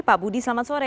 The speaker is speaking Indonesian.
pak budi selamat sore